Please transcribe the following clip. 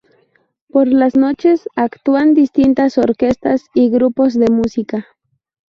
Por las noches actúan distintas orquestas y grupos de música.